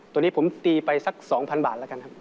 ตัวนี้ผมตีไปสัก๒๐๐บาทแล้วกันครับ